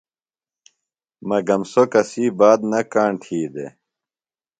مگم سوۡ کسی بات نہ کاݨ نہ تھی دےۡ۔